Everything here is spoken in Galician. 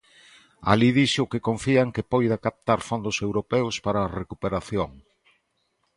Alí dixo que confía en que poida captar fondos europeos para a recuperación.